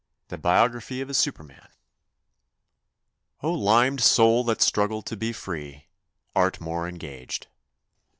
THE BIOGRAPHY OF A SUPER MAN 11 limed soul that struggling to be free Art more engaged!"